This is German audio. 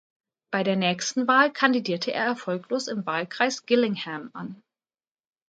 Bei der nächsten Wahl kandidierte er erfolglos im Wahlkreis Gillingham an.